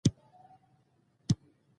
ته زما غوره ملګری او د جګړې د وخت ورور یې.